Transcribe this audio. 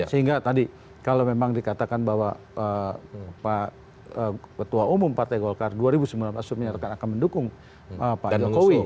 sehingga tadi kalau memang dikatakan bahwa pak ketua umum partai golkar dua ribu sembilan belas menyatakan akan mendukung pak jokowi